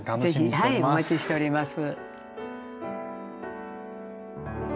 是非お待ちしております。